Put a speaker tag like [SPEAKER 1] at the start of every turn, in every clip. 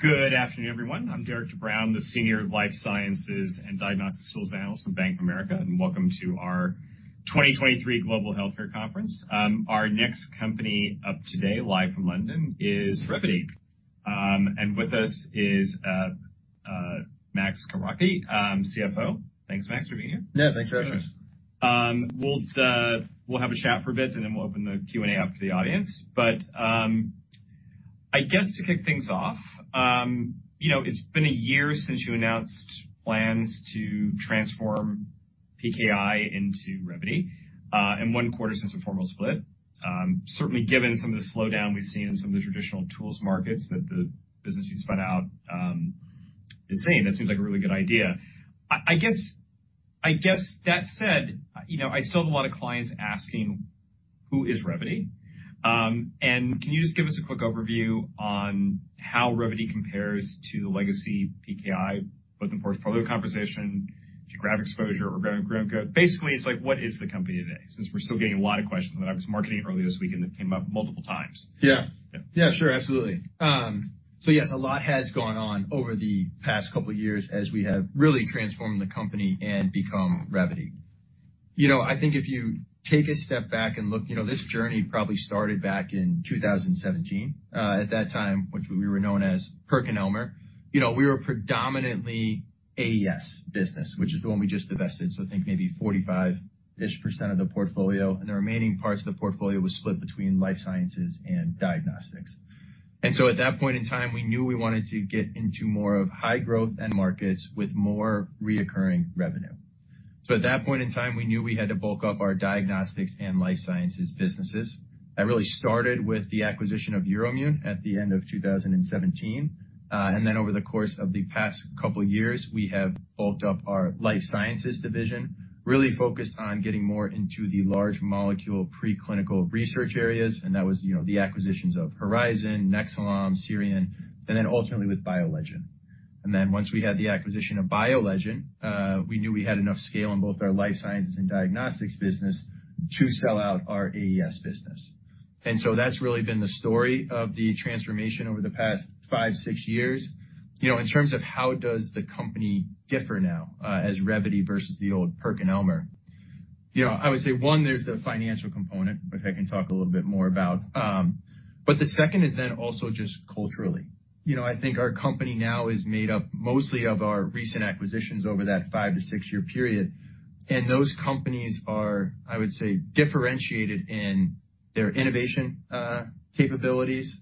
[SPEAKER 1] Good afternoon, everyone. I'm Derik de Bruin, the Senior Life Sciences and Diagnostics Tools Analyst from Bank of America, and welcome to our 2023 Global Healthcare Conference. Our next company up today, live from London, is Revvity. And with us is Max Krakowiak, CFO. Thanks, Max, for being here.
[SPEAKER 2] Yeah, thanks for having us.
[SPEAKER 1] We'll have a chat for a bit, and then we'll open the Q&A up to the audience. But I guess to kick things off, you know, it's been a year since you announced plans to transform PKI into Revvity, and one quarter since the formal split. Certainly given some of the slowdown we've seen in some of the traditional tools markets that the business you spun out is saying, that seems like a really good idea. I guess that said, you know, I still have a lot of clients asking, "Who is Revvity?" And can you just give us a quick overview on how Revvity compares to the legacy PKI, both in portfolio composition, geographic exposure, organic growth. Basically, it's like, what is the company today? Since we're still getting a lot of questions, when I was marketing earlier this week, and it came up multiple times.
[SPEAKER 2] Yeah.
[SPEAKER 1] Yeah.
[SPEAKER 2] Yeah, sure. Absolutely. So yes, a lot has gone on over the past couple of years as we have really transformed the company and become Revvity. You know, I think if you take a step back and look, you know, this journey probably started back in 2017. At that time, when we were known as PerkinElmer, you know, we were predominantly AES business, which is the one we just divested. So I think maybe 45-ish% of the portfolio and the remaining parts of the portfolio was split between life sciences and diagnostics. And so at that point in time, we knew we wanted to get into more of high growth end markets with more recurring revenue. So at that point in time, we knew we had to bulk up our diagnostics and life sciences businesses. That really started with the acquisition of EUROIMMUN at the end of 2017. And then over the course of the past couple of years, we have bulked up our life sciences division, really focused on getting more into the large molecule preclinical research areas, and that was, you know, the acquisitions of Horizon, Nexcelom, Sirion, and then ultimately with BioLegend. And then once we had the acquisition of BioLegend, we knew we had enough scale in both our life sciences and diagnostics business to sell out our AES business. And so that's really been the story of the transformation over the past five, six years. You know, in terms of how does the company differ now, as Revvity versus the old PerkinElmer? You know, I would say, one, there's the financial component, which I can talk a little bit more about. But the second is then also just culturally. You know, I think our company now is made up mostly of our recent acquisitions over that five- to six-year period, and those companies are, I would say, differentiated in their innovation, capabilities,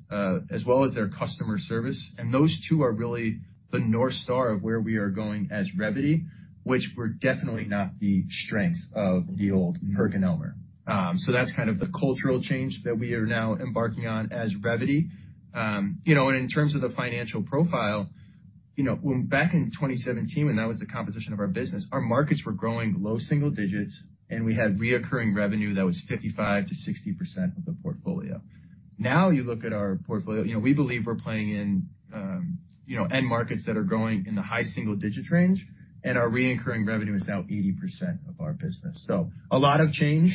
[SPEAKER 2] as well as their customer service. And those two are really the North Star of where we are going as Revvity, which were definitely not the strengths of the old PerkinElmer. So that's kind of the cultural change that we are now embarking on as Revvity. You know, and in terms of the financial profile, you know, when back in 2017, when that was the composition of our business, our markets were growing low single digits, and we had recurring revenue that was 55%-60% of the portfolio. Now, you look at our portfolio, you know, we believe we're playing in, you know, end markets that are growing in the high single digit range, and our recurring revenue is now 80% of our business. So a lot of change,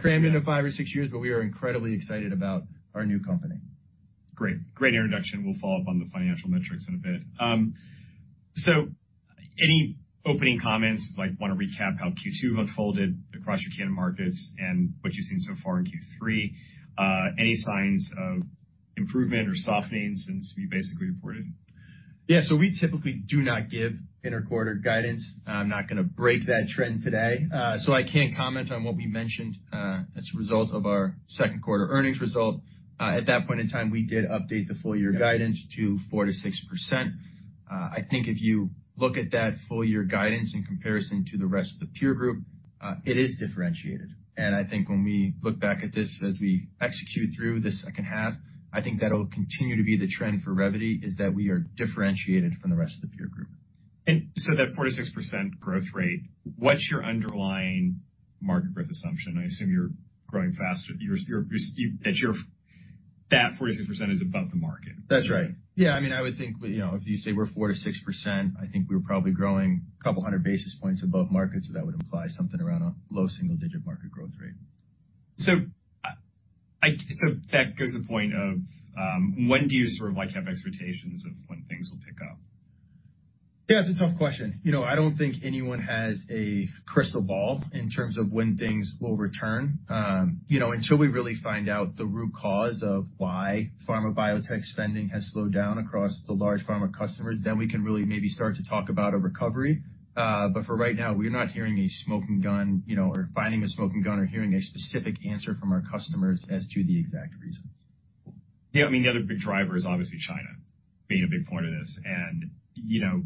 [SPEAKER 2] crammed into 5 or 6 years, but we are incredibly excited about our new company.
[SPEAKER 1] Great. Great introduction. We'll follow up on the financial metrics in a bit. So any opening comments, like, want to recap how Q2 unfolded across your core markets and what you've seen so far in Q3? Any signs of improvement or softening since we basically reported?
[SPEAKER 2] Yeah, so we typically do not give inter-quarter guidance. I'm not going to break that trend today, so I can't comment on what we mentioned, as a result of our second quarter earnings result. At that point in time, we did update the full year guidance to 4%-6%. I think if you look at that full year guidance in comparison to the rest of the peer group, it is differentiated. And I think when we look back at this as we execute through the second half, I think that'll continue to be the trend for Revvity, is that we are differentiated from the rest of the peer group.
[SPEAKER 1] And so that 4%-6% growth rate, what's your underlying market growth assumption? I assume you're growing faster... You're... That you're, that 4%-6% is above the market.
[SPEAKER 2] That's right. Yeah, I mean, I would think, you know, if you say we're 4%-6%, I think we're probably growing 200 basis points above market, so that would imply something around a low single digit market growth rate.
[SPEAKER 1] So that goes to the point of, when do you sort of like have expectations of when things will pick up?
[SPEAKER 2] Yeah, it's a tough question. You know, I don't think anyone has a crystal ball in terms of when things will return. You know, until we really find out the root cause of why pharma biotech spending has slowed down across the large pharma customers, then we can really maybe start to talk about a recovery. But for right now, we're not hearing a smoking gun, you know, or finding a smoking gun or hearing a specific answer from our customers as to the exact reasons.
[SPEAKER 1] Yeah, I mean, the other big driver is obviously China being a big part of this. And, you know,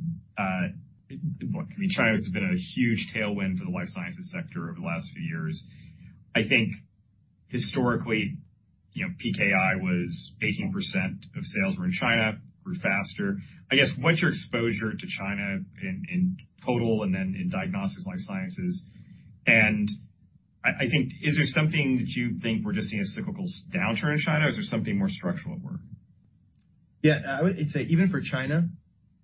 [SPEAKER 1] look, I mean, China has been a huge tailwind for the life sciences sector over the last few years. I think historically, you know, PKI was 18% of sales were in China, grew faster. I guess, what's your exposure to China in total, and then in diagnostics, life sciences? And I think, is there something that you think we're just seeing a cyclical downturn in China, or is there something more structural at work?
[SPEAKER 2] Yeah, I would say even for China.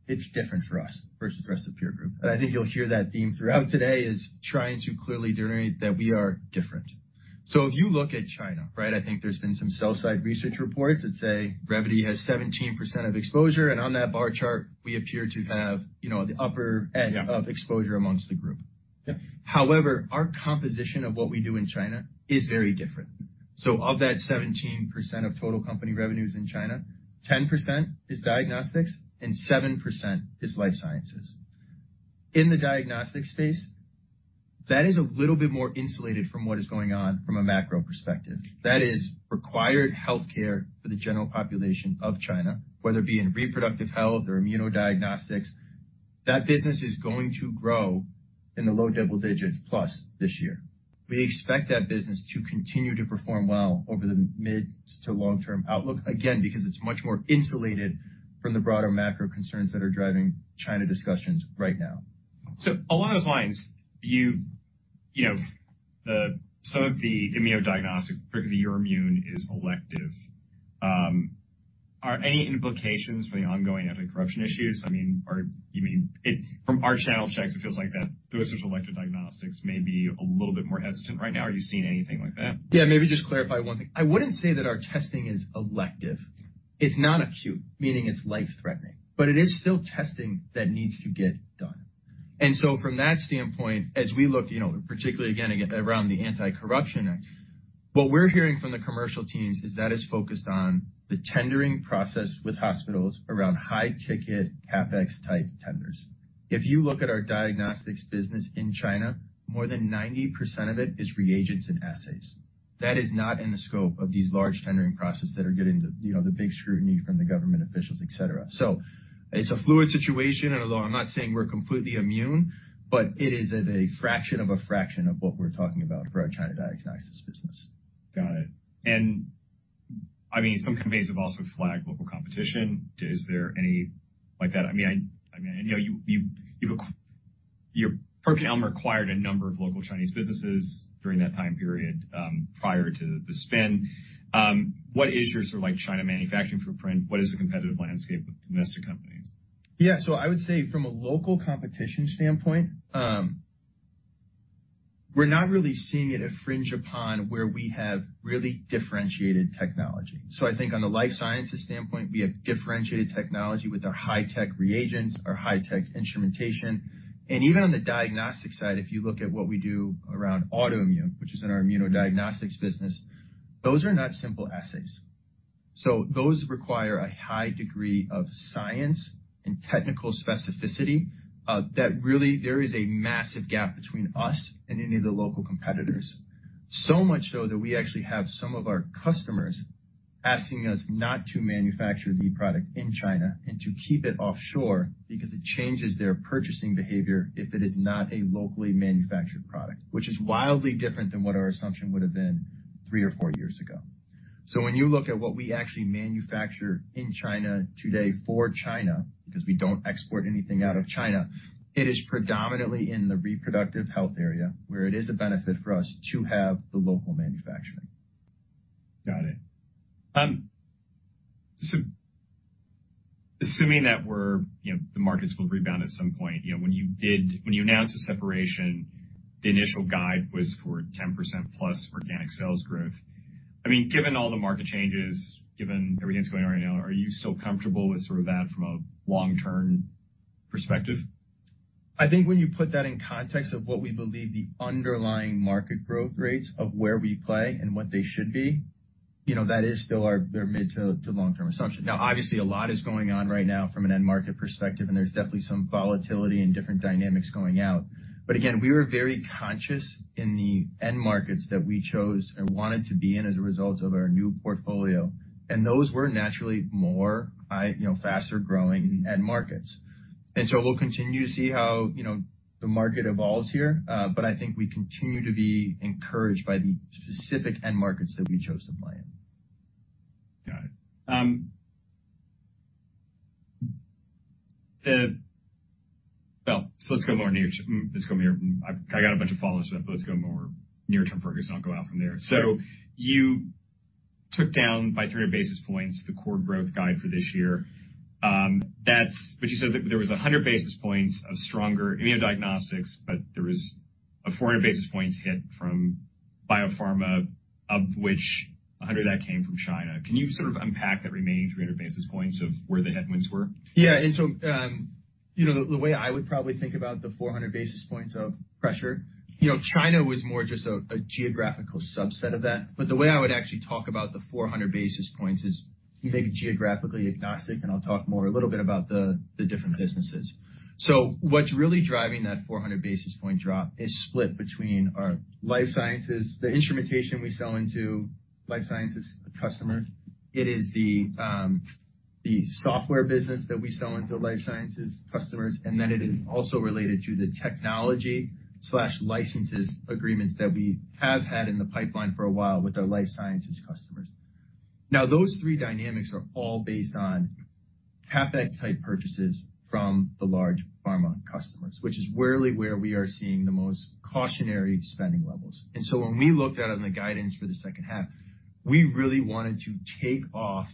[SPEAKER 2] It's different for us versus the rest of the peer group, and I think you'll hear that theme throughout today is trying to clearly delineate that we are different. So if you look at China, right, I think there's been some sell-side research reports that say Revvity has 17% of exposure, and on that bar chart, we appear to have, you know, the upper end-
[SPEAKER 1] Yeah.
[SPEAKER 2] -of exposure among the group.
[SPEAKER 1] Yeah.
[SPEAKER 2] However, our composition of what we do in China is very different. So of that 17% of total company revenues in China, 10% is diagnostics and 7% is life sciences. In the diagnostic space, that is a little bit more insulated from what is going on from a macro perspective. That is required healthcare for the general population of China, whether it be in reproductive health or immunodiagnostics. That business is going to grow in the low double digits plus this year. We expect that business to continue to perform well over the mid- to long-term outlook. Again, because it's much more insulated from the broader macro concerns that are driving China discussions right now.
[SPEAKER 1] So along those lines, do you know some of the immunodiagnostics, particularly EUROIMMUN, is elective. Are any implications for the ongoing anti-corruption issues? I mean, from our channel checks, it feels like those elective diagnostics may be a little bit more hesitant right now. Are you seeing anything like that?
[SPEAKER 2] Yeah, maybe just clarify one thing. I wouldn't say that our testing is elective. It's not acute, meaning it's life-threatening, but it is still testing that needs to get done. And so from that standpoint, as we look, you know, particularly again, around the Anti-Corruption Act, what we're hearing from the commercial teams is that it's focused on the tendering process with hospitals around high-ticket, CapEx-type tenders. If you look at our diagnostics business in China, more than 90% of it is reagents and assays. That is not in the scope of these large tendering processes that are getting the, you know, the big scrutiny from the government officials, et cetera. So it's a fluid situation, and although I'm not saying we're completely immune, but it is at a fraction of a fraction of what we're talking about for our China diagnostics business.
[SPEAKER 1] Got it. I mean, some companies have also flagged local competition. Is there any like that? I mean, I know PerkinElmer acquired a number of local Chinese businesses during that time period, prior to the spin. What is your sort of like China manufacturing footprint? What is the competitive landscape of domestic companies?
[SPEAKER 2] Yeah. So I would say from a local competition standpoint, we're not really seeing it infringe upon where we have really differentiated technology. So I think on the life sciences standpoint, we have differentiated technology with our high-tech reagents, our high-tech instrumentation, and even on the diagnostic side, if you look at what we do around autoimmune, which is in our immunodiagnostics business, those are not simple assays. So those require a high degree of science and technical specificity that really there is a massive gap between us and any of the local competitors. So much so that we actually have some of our customers asking us not to manufacture the product in China and to keep it offshore because it changes their purchasing behavior if it is not a locally manufactured product, which is wildly different than what our assumption would have been three or four years ago. So when you look at what we actually manufacture in China today for China, because we don't export anything out of China, it is predominantly in the reproductive health area, where it is a benefit for us to have the local manufacturing.
[SPEAKER 1] Got it. So assuming that we're, you know, the markets will rebound at some point, you know, when you announced the separation, the initial guide was for 10%+ organic sales growth. I mean, given all the market changes, given everything that's going on right now, are you still comfortable with sort of that from a long-term perspective?
[SPEAKER 2] I think when you put that in context of what we believe the underlying market growth rates of where we play and what they should be, you know, that is still our, their mid- to long-term assumption. Now, obviously, a lot is going on right now from an end market perspective, and there's definitely some volatility and different dynamics going out. But again, we were very conscious in the end markets that we chose and wanted to be in as a result of our new portfolio, and those were naturally more, you know, faster growing end markets. And so we'll continue to see how, you know, the market evolves here, but I think we continue to be encouraged by the specific end markets that we chose to play in.
[SPEAKER 1] Got it. Well, so I got a bunch of follow-ups, but let's go more near term focus and I'll go out from there. So you took down by 300 basis points the core growth guide for this year. That's, but you said that there was 100 basis points of stronger immunodiagnostics, but there was a 400 basis points hit from biopharma, of which 100 of that came from China. Can you sort of unpack that remaining 300 basis points of where the headwinds were?
[SPEAKER 2] Yeah. And so, you know, the way I would probably think about the 400 basis points of pressure, you know, China was more just a, a geographical subset of that. But the way I would actually talk about the 400 basis points is maybe geographically agnostic, and I'll talk more a little bit about the, the different businesses. So what's really driving that 400 basis point drop is split between our life sciences, the instrumentation we sell into life sciences customers. It is the, the software business that we sell into life sciences customers, and then it is also related to the technology/licenses agreements that we have had in the pipeline for a while with our life sciences customers. Now, those three dynamics are all based on CapEx type purchases from-... The large pharma customers, which is rarely where we are seeing the most cautionary spending levels. And so when we looked at it on the guidance for the second half, we really wanted to take off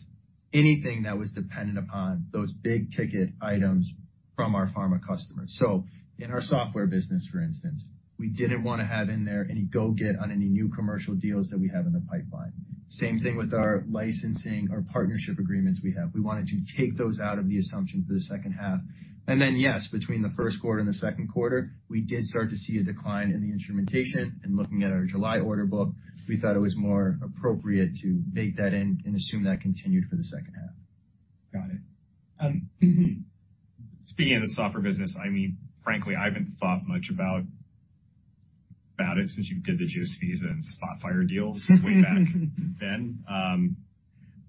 [SPEAKER 2] anything that was dependent upon those big ticket items from our pharma customers. So in our software business, for instance, we didn't want to have in there any go-live on any new commercial deals that we have in the pipeline. Same thing with our licensing or partnership agreements we have. We wanted to take those out of the assumption for the second half. And then, yes, between the first quarter and the second quarter, we did start to see a decline in the instrumentation, and looking at our July order book, we thought it was more appropriate to bake that in and assume that continued for the second half.
[SPEAKER 1] Got it. Speaking of the software business, I mean, frankly, I haven't thought much about it since you did the Spotfire deals way back then.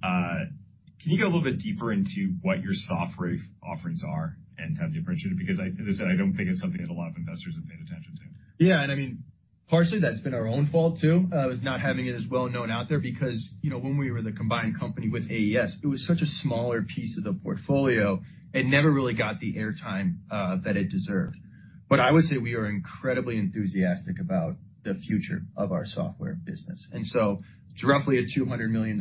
[SPEAKER 1] Can you go a little bit deeper into what your software offerings are and how they differentiate? Because I, as I said, I don't think it's something that a lot of investors have paid attention to.
[SPEAKER 2] Yeah, and I mean, partially that's been our own fault, too, with not having it as well known out there because, you know, when we were the combined company with AES, it was such a smaller piece of the portfolio; it never really got the airtime that it deserved. But I would say we are incredibly enthusiastic about the future of our software business. And so it's roughly a $200 million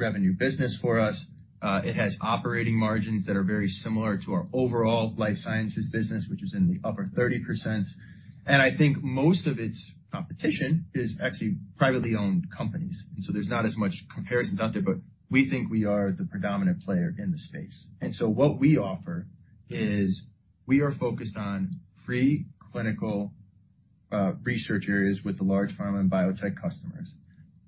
[SPEAKER 2] revenue business for us. It has operating margins that are very similar to our overall life sciences business, which is in the upper 30%. And I think most of its competition is actually privately owned companies, and so there's not as much comparisons out there, but we think we are the predominant player in the space. And so what we offer is we are focused on preclinical researchers with the large pharma and biotech customers.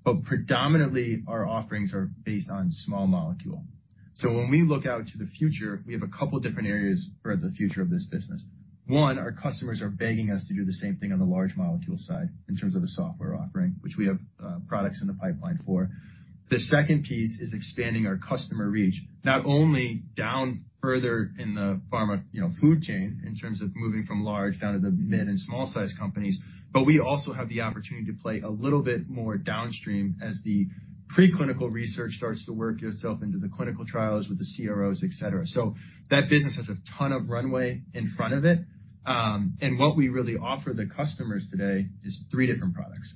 [SPEAKER 2] But predominantly our offerings are based on small molecule. So when we look out to the future, we have a couple different areas for the future of this business. One, our customers are begging us to do the same thing on the large molecule side in terms of the software offering, which we have products in the pipeline for. The second piece is expanding our customer reach, not only down further in the pharma, you know, food chain in terms of moving from large down to the mid and small-sized companies, but we also have the opportunity to play a little bit more downstream as the preclinical research starts to work itself into the clinical trials with the CROs, et cetera. So that business has a ton of runway in front of it. And what we really offer the customers today is three different products.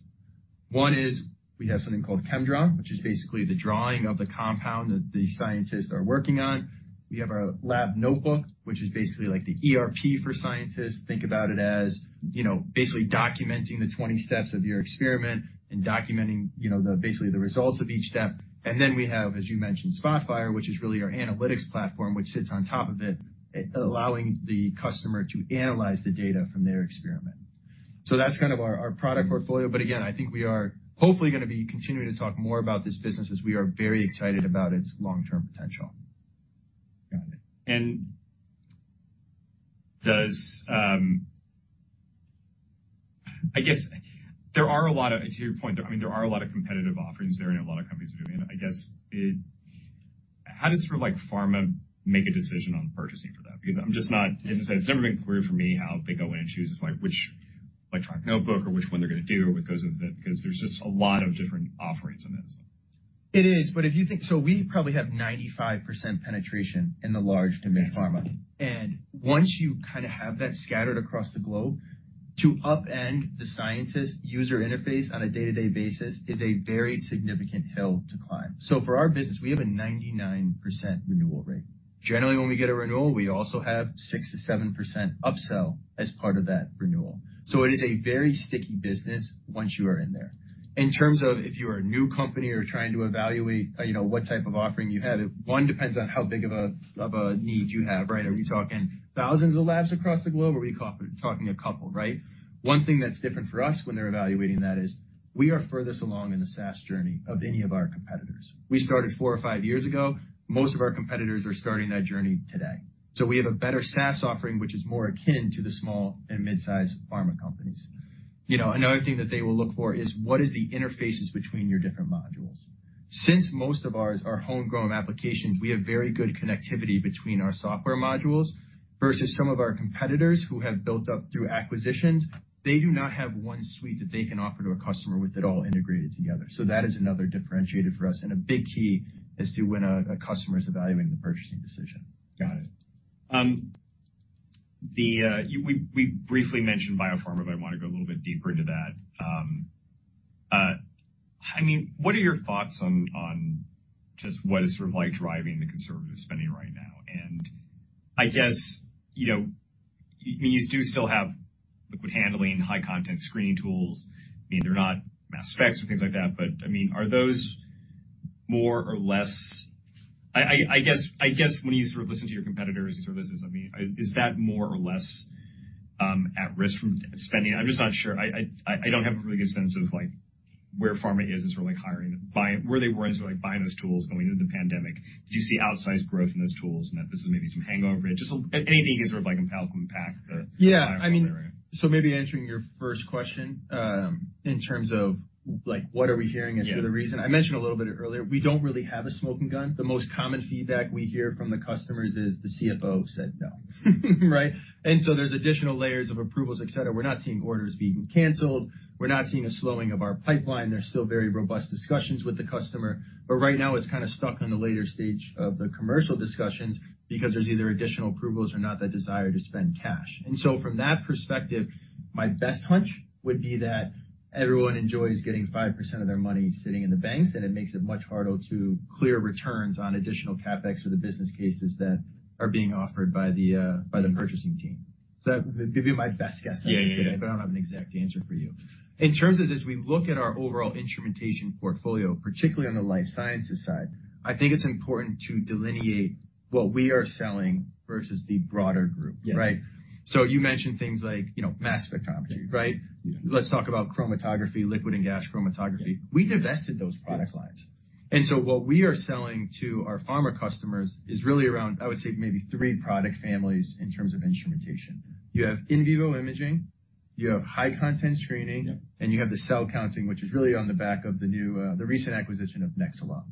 [SPEAKER 2] One is we have something called ChemDraw, which is basically the drawing of the compound that the scientists are working on. We have our LabNotebook, which is basically like the ERP for scientists. Think about it as, you know, basically documenting the 20 steps of your experiment and documenting, you know, the, basically the results of each step. And then we have, as you mentioned, Spotfire, which is really our analytics platform, which sits on top of it, allowing the customer to analyze the data from their experiment. So that's kind of our, our product portfolio. But again, I think we are hopefully going to be continuing to talk more about this business as we are very excited about its long-term potential.
[SPEAKER 1] Got it. And does, I guess there are a lot of, to your point, I mean, there are a lot of competitive offerings there, and a lot of companies are doing it. I guess it, how does sort of, like, pharma make a decision on purchasing for that? Because I'm just not. It's never been clear for me how they go in and choose which, like, electronic notebook or which one they're going to do with those, because there's just a lot of different offerings in that as well.
[SPEAKER 2] It is. But if you think—So we probably have 95% penetration in the large to mid pharma, and once you kind of have that scattered across the globe, to upend the scientist's user interface on a day-to-day basis is a very significant hill to climb. So for our business, we have a 99% renewal rate. Generally, when we get a renewal, we also have 6%-7% upsell as part of that renewal. So it is a very sticky business once you are in there. In terms of if you are a new company or trying to evaluate, you know, what type of offering you have, it, one, depends on how big of a need you have, right? Are we talking thousands of labs across the globe, or are we talking a couple, right? One thing that's different for us when they're evaluating that is we are furthest along in the SaaS journey of any of our competitors. We started four or five years ago. Most of our competitors are starting that journey today. So we have a better SaaS offering, which is more akin to the small and mid-size pharma companies. You know, another thing that they will look for is what is the interfaces between your different modules? Since most of ours are homegrown applications, we have very good connectivity between our software modules versus some of our competitors who have built up through acquisitions. They do not have one suite that they can offer to a customer with it all integrated together. So that is another differentiator for us, and a big key as to when a customer is evaluating the purchasing decision.
[SPEAKER 1] Got it. We briefly mentioned biopharma, but I want to go a little bit deeper into that. I mean, what are your thoughts on just what is sort of like driving the conservative spending right now? And I guess, you know, you do still have liquid handling, high content screening tools. I mean, they're not mass specs or things like that, but, I mean, are those more or less... I guess when you sort of listen to your competitors or listeners, I mean, is that more or less at risk from spending? I'm just not sure. I don't have a really good sense of like, where pharma is as far as like, hiring and buying, where they were as to, like, buying those tools going into the pandemic. Do you see outsized growth in those tools and that this is maybe some hangover? Just anything is sort of like an impact.
[SPEAKER 2] Yeah, I mean, so maybe answering your first question, in terms of, like, what are we hearing as to the reason? I mentioned a little bit earlier, we don't really have a smoking gun. The most common feedback we hear from the customers is the CFO said, "No." Right? And so there's additional layers of approvals, et cetera. We're not seeing orders being canceled. We're not seeing a slowing of our pipeline. There's still very robust discussions with the customer, but right now it's kind of stuck on the later stage of the commercial discussions because there's either additional approvals or not the desire to spend cash. And so from that perspective, my best hunch would be that everyone enjoys getting 5% of their money sitting in the banks, and it makes it much harder to clear returns on additional CapEx or the business cases that are being offered by the, by the purchasing team. So that would be my best guess.
[SPEAKER 1] Yeah, yeah, yeah.
[SPEAKER 2] I don't have an exact answer for you. In terms of as we look at our overall instrumentation portfolio, particularly on the life sciences side, I think it's important to delineate what we are selling versus the broader group.
[SPEAKER 1] Yeah.
[SPEAKER 2] Right? So you mentioned things like, you know, mass spectrometry, right?
[SPEAKER 1] Yeah.
[SPEAKER 2] Let's talk about chromatography, liquid and gas chromatography.
[SPEAKER 1] Yeah.
[SPEAKER 2] We divested those product lines.
[SPEAKER 1] Yes.
[SPEAKER 2] And so what we are selling to our pharma customers is really around, I would say, maybe three product families in terms of instrumentation. You have in vivo imaging, you have high content screening-
[SPEAKER 1] Yep.
[SPEAKER 2] And you have the cell counting, which is really on the back of the new, the recent acquisition of Nexcelom.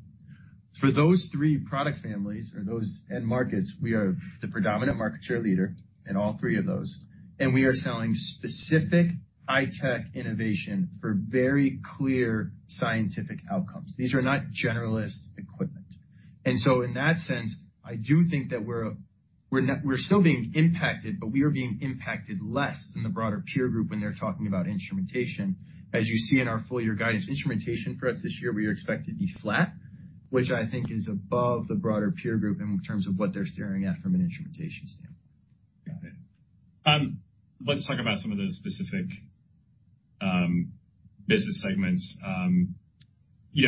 [SPEAKER 2] For those three product families or those end markets, we are the predominant market share leader in all three of those, and we are selling specific high-tech innovation for very clear scientific outcomes. These are not generalist equipment. And so in that sense, I do think that we're still being impacted, but we are being impacted less than the broader peer group when they're talking about instrumentation. As you see in our full year guidance, instrumentation for us this year, we are expected to be flat, which I think is above the broader peer group in terms of what they're staring at from an instrumentation standpoint.
[SPEAKER 1] Got it. Let's talk about some of those specific, business segments. You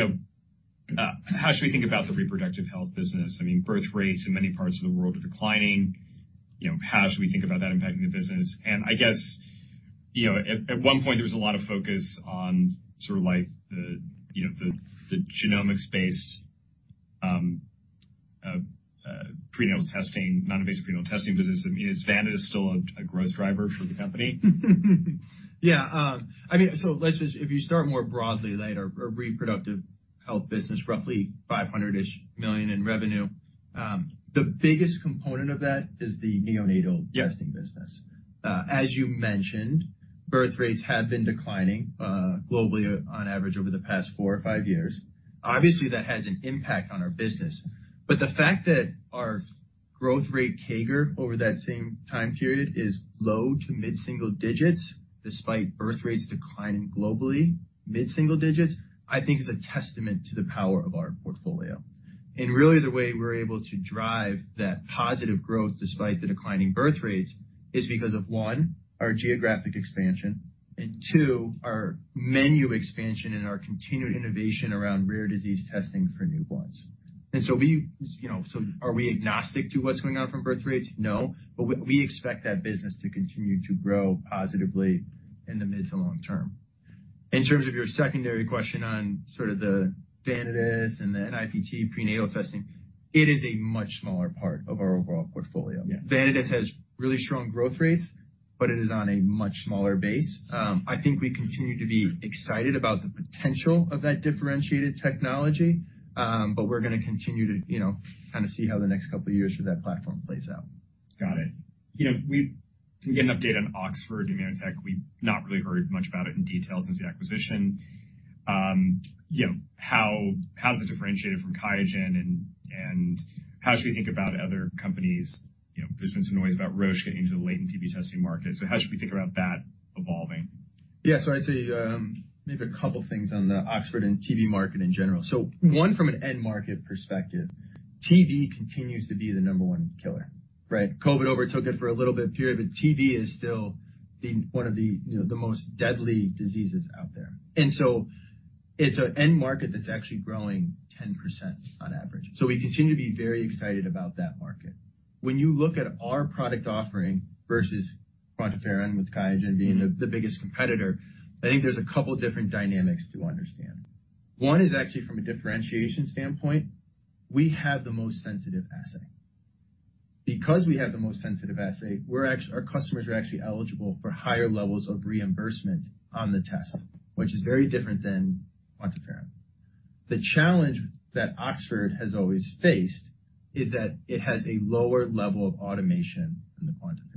[SPEAKER 1] know, how should we think about the reproductive health business? I mean, birth rates in many parts of the world are declining. You know, how should we think about that impacting the business? And I guess, you know, at one point, there was a lot of focus on sort of like the, you know, the genomics-based, prenatal testing, non-invasive prenatal testing business. I mean, is Vanadis still a growth driver for the company?
[SPEAKER 2] Yeah, I mean, so let's just—if you start more broadly, like, our reproductive health business, roughly $500 million-ish in revenue. The biggest component of that is the neonatal-
[SPEAKER 1] Yeah.
[SPEAKER 2] -testing business. As you mentioned, birth rates have been declining, globally on average over the past four or five years. Obviously, that has an impact on our business, but the fact that our growth rate CAGR over that same time period is low to mid-single digits, despite birth rates declining globally, mid-single digits, I think is a testament to the power of our portfolio. And really, the way we're able to drive that positive growth despite the declining birth rates, is because of, one, our geographic expansion, and two, our menu expansion and our continued innovation around rare disease testing for newborns. And so we, you know, so are we agnostic to what's going on from birth rates? No, but we expect that business to continue to grow positively in the mid to long term. In terms of your secondary question on sort of the Vanadis and the NIPT prenatal testing, it is a much smaller part of our overall portfolio.
[SPEAKER 1] Yeah.
[SPEAKER 2] Vanadis has really strong growth rates, but it is on a much smaller base. I think we continue to be excited about the potential of that differentiated technology, but we're going to continue to, you know, kind of see how the next couple of years for that platform plays out.
[SPEAKER 1] Got it. You know, we can we get an update on Oxford Immunotec? We've not really heard much about it in detail since the acquisition. You know, how is it differentiated from QIAGEN, and how should we think about other companies? You know, there's been some noise about Roche getting into the latent TB testing market, so how should we think about that evolving?
[SPEAKER 2] Yeah. So I'd say, maybe a couple things on the Oxford and TB market in general. So one, from an end market perspective, TB continues to be the number one killer, right? COVID overtook it for a little bit of period, but TB is still one of the, you know, the most deadly diseases out there. And so it's an end market that's actually growing 10% on average. So we continue to be very excited about that market. When you look at our product offering versus QuantiFERON, with QIAGEN being the biggest competitor, I think there's a couple different dynamics to understand. One is actually from a differentiation standpoint, we have the most sensitive assay. Because we have the most sensitive assay, we're actually our customers are actually eligible for higher levels of reimbursement on the test, which is very different than QuantiFERON. The challenge that Oxford has always faced is that it has a lower level of automation than the QuantiFERON.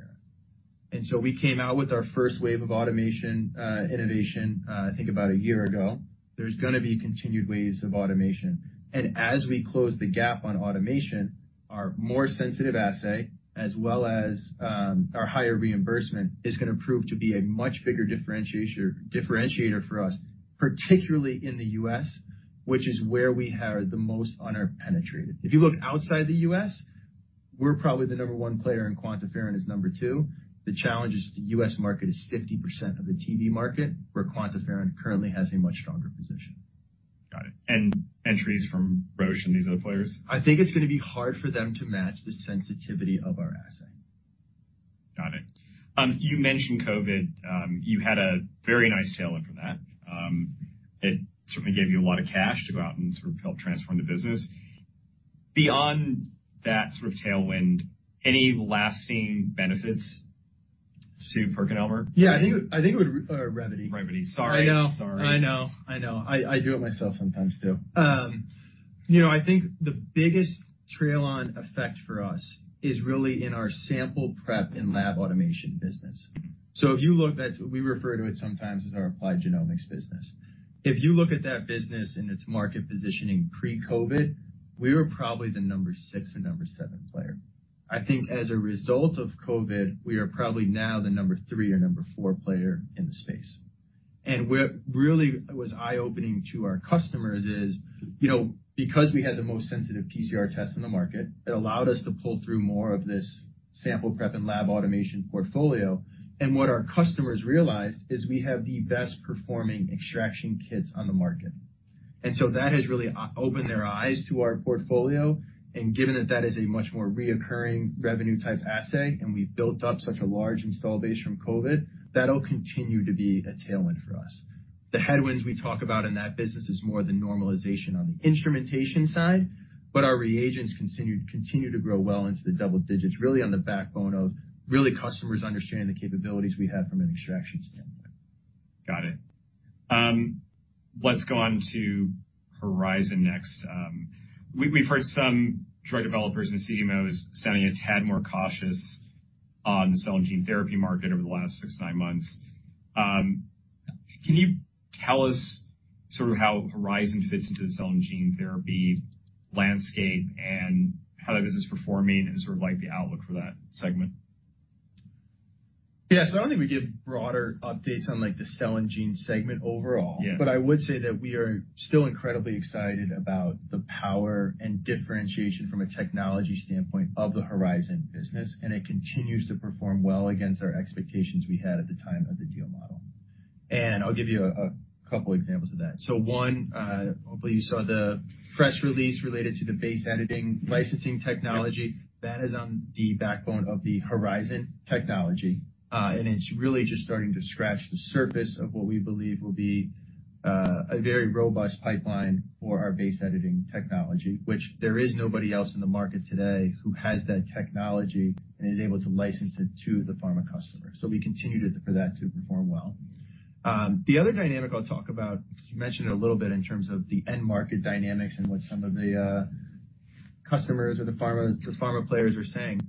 [SPEAKER 2] So we came out with our first wave of automation innovation, I think about a year ago. There's going to be continued waves of automation, and as we close the gap on automation, our more sensitive assay, as well as our higher reimbursement, is going to prove to be a much bigger differentiator for us, particularly in the U.S., which is where we have the most under-penetrated. If you look outside the U.S., we're probably the number one player, and QuantiFERON is number two. The challenge is, the U.S. market is 50% of the TB market, where QuantiFERON currently has a much stronger position.
[SPEAKER 1] Got it. And entries from Roche and these other players?
[SPEAKER 2] I think it's going to be hard for them to match the sensitivity of our assay.
[SPEAKER 1] Got it. You mentioned COVID. You had a very nice tail end from that.... It certainly gave you a lot of cash to go out and sort of help transform the business. Beyond that sort of tailwind, any lasting benefits to PerkinElmer?
[SPEAKER 2] Yeah, I think, I think it would, Revvity.
[SPEAKER 1] Revvity. Sorry.
[SPEAKER 2] I know.
[SPEAKER 1] Sorry.
[SPEAKER 2] I know. I know. I, I do it myself sometimes, too. You know, I think the biggest trickle-down effect for us is really in our sample prep and lab automation business. So if you look, that's. We refer to it sometimes as our applied genomics business. If you look at that business and its market positioning pre-COVID, we were probably the number six and number seven player. I think as a result of COVID, we are probably now the number three or number four player in the space. And what really was eye-opening to our customers is, you know, because we had the most sensitive PCR test in the market, it allowed us to pull through more of this sample prep and lab automation portfolio. And what our customers realized is we have the best performing extraction kits on the market. And so that has really opened their eyes to our portfolio, and given that that is a much more reoccurring revenue type assay, and we've built up such a large installation base from COVID, that'll continue to be a tailwind for us. The headwinds we talk about in that business is more the normalization on the instrumentation side, but our reagents continued, continue to grow well into the double digits, really on the backbone of really customers understanding the capabilities we have from an extraction standpoint.
[SPEAKER 1] Got it. Let's go on to Horizon next. We've heard some drug developers and CMOs sounding a tad more cautious on the cell and gene therapy market over the last six-nine months. Can you tell us sort of how Horizon fits into the cell and gene therapy landscape, and how that business is performing, and sort of like the outlook for that segment?
[SPEAKER 2] Yeah, so I don't think we give broader updates on, like, the cell and gene segment overall.
[SPEAKER 1] Yeah.
[SPEAKER 2] But I would say that we are still incredibly excited about the power and differentiation from a technology standpoint of the Horizon business, and it continues to perform well against our expectations we had at the time of the deal model. I'll give you a couple examples of that. One, hopefully you saw the press release related to the base editing licensing technology.
[SPEAKER 1] Yep.
[SPEAKER 2] That is on the backbone of the Horizon technology, and it's really just starting to scratch the surface of what we believe will be a very robust pipeline for our base editing technology, which there is nobody else in the market today who has that technology and is able to license it to the pharma customer. So we continue to, for that to perform well. The other dynamic I'll talk about, you mentioned it a little bit in terms of the end market dynamics and what some of the customers or the pharma, the pharma players are saying.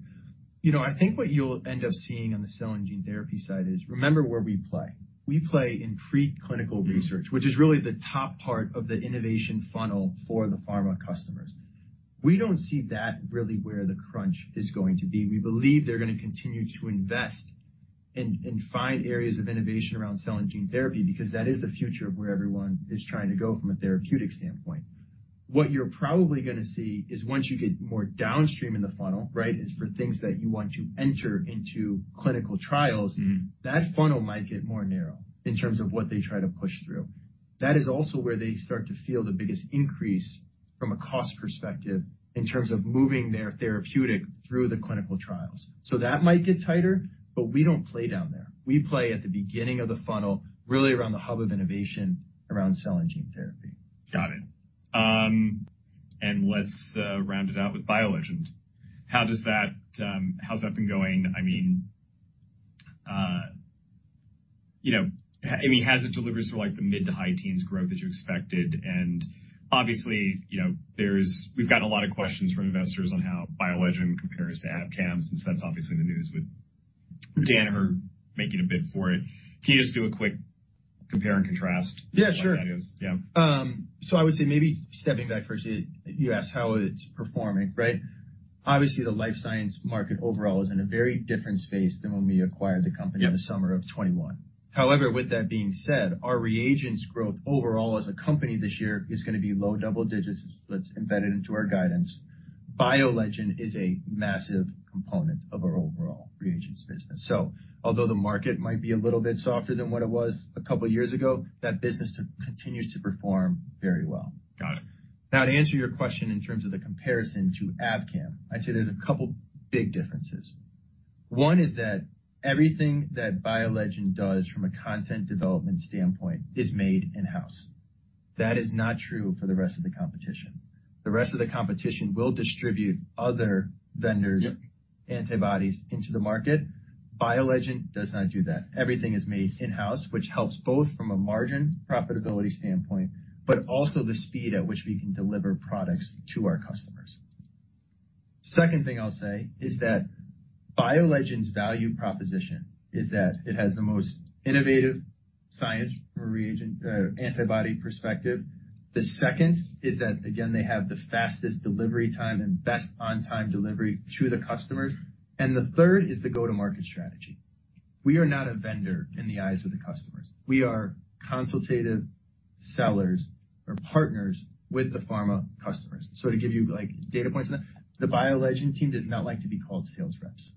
[SPEAKER 2] You know, I think what you'll end up seeing on the cell and gene therapy side is, remember where we play. We play in preclinical research, which is really the top part of the innovation funnel for the pharma customers. We don't see that really where the crunch is going to be. We believe they're going to continue to invest and find areas of innovation around cell and gene therapy, because that is the future of where everyone is trying to go from a therapeutic standpoint. What you're probably going to see is once you get more downstream in the funnel, right, is for things that you want to enter into clinical trials-
[SPEAKER 1] Mm-hmm.
[SPEAKER 2] That funnel might get more narrow in terms of what they try to push through. That is also where they start to feel the biggest increase from a cost perspective in terms of moving their therapeutic through the clinical trials. So that might get tighter, but we don't play down there. We play at the beginning of the funnel, really around the hub of innovation, around cell and gene therapy.
[SPEAKER 1] Got it. And let's round it out with BioLegend. How does that, how's that been going? I mean, you know, I mean, has it delivered sort of like the mid- to high-teens growth as you expected? And obviously, you know, there's we've gotten a lot of questions from investors on how BioLegend compares to Abcam, since that's obviously the news with Danaher making a bid for it. Can you just do a quick compare and contrast?
[SPEAKER 2] Yeah, sure.
[SPEAKER 1] Yeah.
[SPEAKER 2] I would say maybe stepping back first, you asked how it's performing, right? Obviously, the life sciences market overall is in a very different space than when we acquired the company-
[SPEAKER 1] Yep
[SPEAKER 2] in the summer of 2021. However, with that being said, our reagents growth overall as a company this year is going to be low double digits. That's embedded into our guidance. BioLegend is a massive component of our overall reagents business. So although the market might be a little bit softer than what it was a couple years ago, that business continues to perform very well.
[SPEAKER 1] Got it.
[SPEAKER 2] Now, to answer your question in terms of the comparison to Abcam, I'd say there's a couple big differences. One is that everything that BioLegend does from a content development standpoint is made in-house. That is not true for the rest of the competition. The rest of the competition will distribute other vendors'-
[SPEAKER 1] Yep
[SPEAKER 2] -antibodies into the market. BioLegend does not do that. Everything is made in-house, which helps both from a margin profitability standpoint, but also the speed at which we can deliver products to our customers. Second thing I'll say is that BioLegend's value proposition is that it has the most innovative science from a reagent, antibody perspective. The second is that, again, they have the fastest delivery time and best on-time delivery to the customers. And the third is the go-to-market strategy. We are not a vendor in the eyes of the customers. We are consultative sellers or partners with the pharma customers. So to give you, like, data points, the BioLegend team does not like to be called sales reps.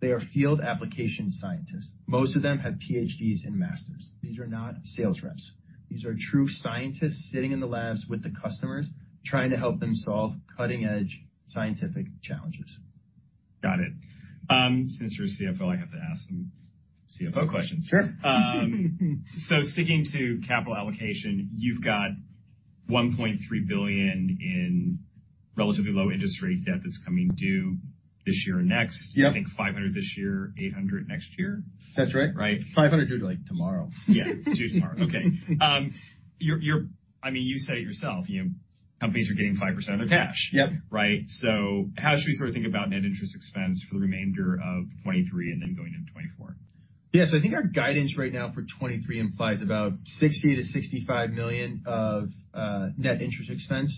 [SPEAKER 2] They are field application scientists. Most of them have PhDs and masters. These are not sales reps. These are true scientists sitting in the labs with the customers, trying to help them solve cutting-edge scientific challenges....
[SPEAKER 1] Got it. Since you're a CFO, I have to ask some CFO questions.
[SPEAKER 2] Sure.
[SPEAKER 1] Sticking to capital allocation, you've got $1.3 billion in relatively low interest rate debt that's coming due this year and next.
[SPEAKER 2] Yep.
[SPEAKER 1] I think $500 this year, $800 next year?
[SPEAKER 2] That's right.
[SPEAKER 1] Right.
[SPEAKER 2] $500, due, like, tomorrow.
[SPEAKER 1] Yeah, it's due tomorrow. Okay. You're, you're, I mean, you said it yourself, you know, companies are getting 5% of their cash.
[SPEAKER 2] Yep.
[SPEAKER 1] Right? So how should we sort of think about net interest expense for the remainder of 2023 and then going into 2024?
[SPEAKER 2] Yeah. So I think our guidance right now for 2023 implies about $60 million-$65 million of net interest expense.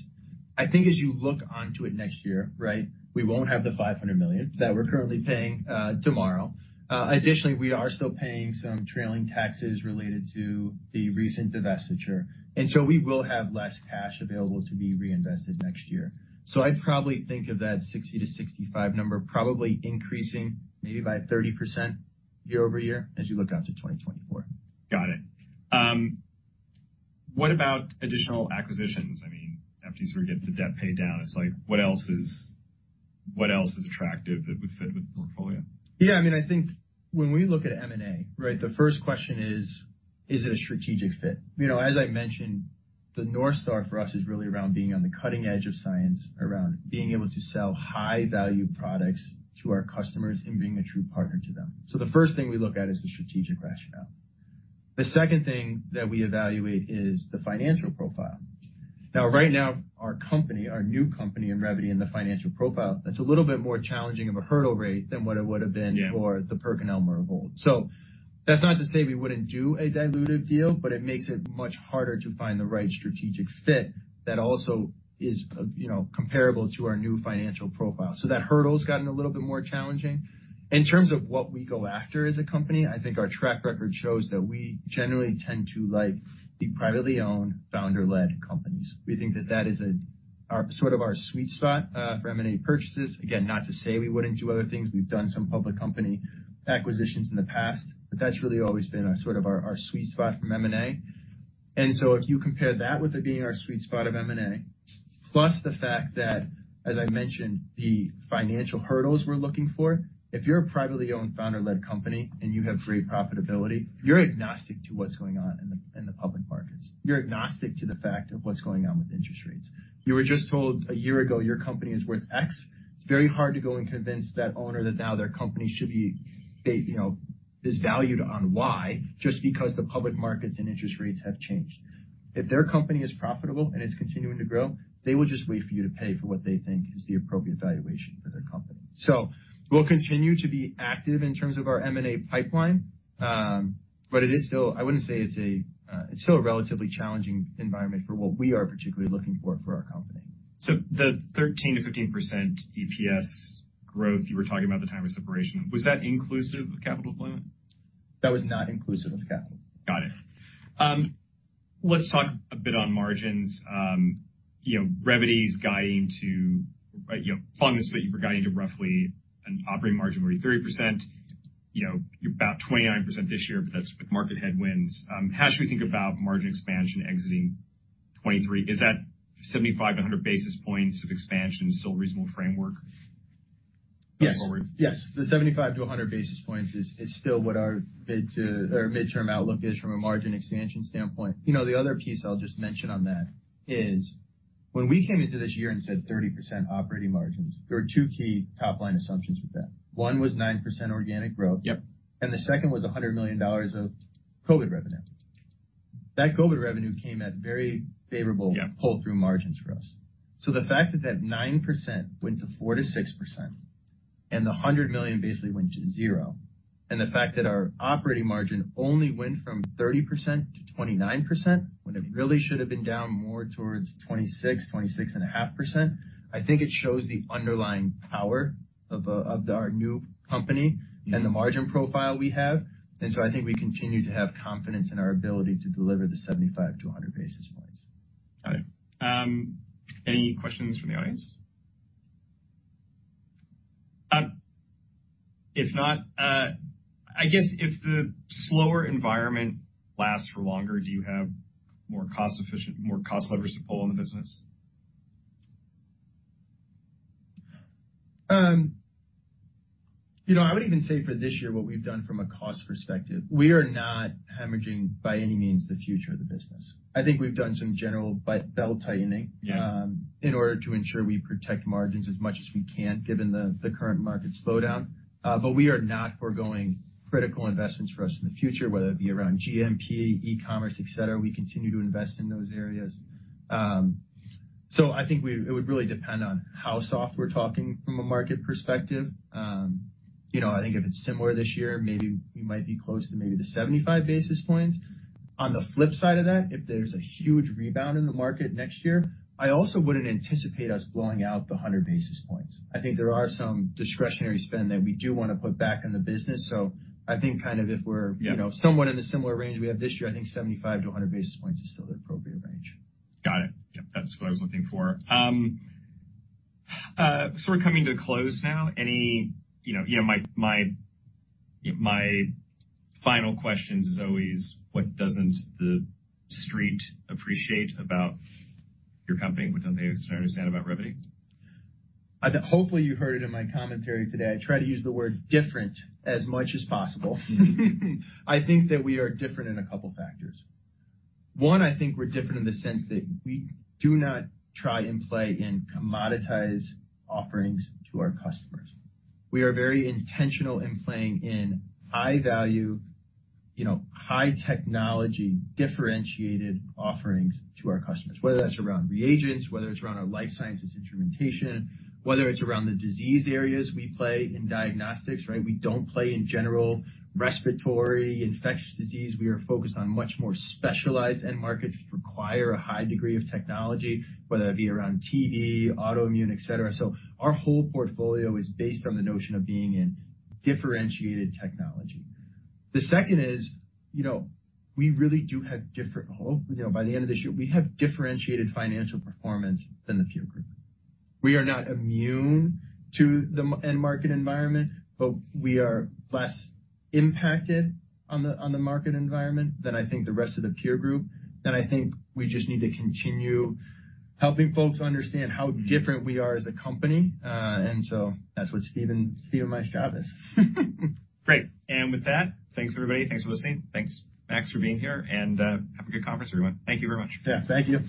[SPEAKER 2] I think as you look onto it next year, right, we won't have the $500 million that we're currently paying, tomorrow. Additionally, we are still paying some trailing taxes related to the recent divestiture, and so we will have less cash available to be reinvested next year. So I'd probably think of that 60-65 number, probably increasing maybe by 30% year-over-year as you look out to 2024.
[SPEAKER 1] Got it. What about additional acquisitions? I mean, after you sort of get the debt paid down, it's like, what else is, what else is attractive that would fit with the portfolio?
[SPEAKER 2] Yeah, I mean, I think when we look at M&A, right, the first question is: Is it a strategic fit? You know, as I mentioned, the North Star for us is really around being on the cutting edge of science, around being able to sell high-value products to our customers and being a true partner to them. So the first thing we look at is the strategic rationale. The second thing that we evaluate is the financial profile. Now, right now, our company, our new company in Revvity, in the financial profile, it's a little bit more challenging of a hurdle rate than what it would've been-
[SPEAKER 1] Yeah
[SPEAKER 2] for the PerkinElmer hold. So that's not to say we wouldn't do a dilutive deal, but it makes it much harder to find the right strategic fit that also is of, you know, comparable to our new financial profile. So that hurdle's gotten a little bit more challenging. In terms of what we go after as a company, I think our track record shows that we generally tend to like the privately owned, founder-led companies. We think that that is a, our, sort of our sweet spot, for M&A purchases. Again, not to say we wouldn't do other things. We've done some public company acquisitions in the past, but that's really always been our, sort of our, our sweet spot from M&A. So if you compare that with it being our sweet spot of M&A, plus the fact that, as I mentioned, the financial hurdles we're looking for, if you're a privately owned, founder-led company and you have great profitability, you're agnostic to what's going on in the public markets. You're agnostic to the fact of what's going on with interest rates. You were just told a year ago, your company is worth X. It's very hard to go and convince that owner that now their company should be, they, you know, is valued on Y just because the public markets and interest rates have changed. If their company is profitable and it's continuing to grow, they will just wait for you to pay for what they think is the appropriate valuation for their company. So we'll continue to be active in terms of our M&A pipeline, but it is still... I wouldn't say, it's still a relatively challenging environment for what we are particularly looking for for our company.
[SPEAKER 1] The 13%-15% EPS growth you were talking about at the time of separation, was that inclusive of capital deployment?
[SPEAKER 2] That was not inclusive of capital.
[SPEAKER 1] Got it. Let's talk a bit on margins. You know, Revvity's guiding to, you know, on this, but you were guiding to roughly an operating margin of 30%. You know, you're about 29% this year, but that's with market headwinds. How should we think about margin expansion exiting 2023? Is that 75-100 basis points of expansion still a reasonable framework going forward?
[SPEAKER 2] Yes. Yes, the 75-100 basis points is still what our midterm outlook is from a margin expansion standpoint. You know, the other piece I'll just mention on that is when we came into this year and said 30% operating margins, there were two key top-line assumptions with that. One was 9% organic growth.
[SPEAKER 1] Yep.
[SPEAKER 2] The second was $100 million of COVID revenue. That COVID revenue came at very favorable-
[SPEAKER 1] Yeah
[SPEAKER 2] -pull-through margins for us. So the fact that that 9% went to 4%-6% and the $100 million basically went to zero, and the fact that our operating margin only went from 30% to 29%, when it really should have been down more towards 26-26.5%, I think it shows the underlying power of of our new company-
[SPEAKER 1] Yeah
[SPEAKER 2] and the margin profile we have. And so I think we continue to have confidence in our ability to deliver the 75-100 basis points.
[SPEAKER 1] Got it. Any questions from the audience? If not, I guess if the slower environment lasts for longer, do you have more cost efficient, more cost levers to pull in the business?
[SPEAKER 2] You know, I would even say for this year, what we've done from a cost perspective, we are not hemorrhaging by any means the future of the business. I think we've done some general belt tightening-
[SPEAKER 1] Yeah
[SPEAKER 2] In order to ensure we protect margins as much as we can, given the current market slowdown. But we are not foregoing critical investments for us in the future, whether it be around GMP, e-commerce, et cetera. We continue to invest in those areas. So I think it would really depend on how soft we're talking from a market perspective. You know, I think if it's similar this year, maybe we might be close to maybe the 75 basis points. On the flip side of that, if there's a huge rebound in the market next year, I also wouldn't anticipate us blowing out the 100 basis points. I think there are some discretionary spend that we do want to put back in the business. So I think kind of if we're-
[SPEAKER 1] Yeah
[SPEAKER 2] You know, somewhat in a similar range we have this year, I think 75-100 basis points is still the appropriate range.
[SPEAKER 1] Got it. Yep, that's what I was looking for. So we're coming to a close now. You know, you know, my, my, my final question is always: What doesn't the street appreciate about your company? What don't they understand about Revvity?
[SPEAKER 2] I think hopefully you heard it in my commentary today. I try to use the word different as much as possible. I think that we are different in a couple factors. One, I think we're different in the sense that we do not try and play in commoditize offerings to our customers. We are very intentional in playing in high value, you know, high technology, differentiated offerings to our customers, whether that's around reagents, whether it's around our life sciences instrumentation, whether it's around the disease areas we play in diagnostics, right? We don't play in general respiratory, infectious disease. We are focused on much more specialized end markets which require a high degree of technology, whether that be around TB, autoimmune, et cetera. So our whole portfolio is based on the notion of being in differentiated technology. The second is, you know, we really do have different. I hope, you know, by the end of this year, we have differentiated financial performance than the peer group. We are not immune to the end market environment, but we are less impacted on the market environment than I think the rest of the peer group. I think we just need to continue helping folks understand how different we are as a company. So that's what Steve and my job is.
[SPEAKER 1] Great. With that, thanks, everybody. Thanks for listening. Thanks, Max, for being here, and have a good conference, everyone. Thank you very much.
[SPEAKER 2] Yeah. Thank you.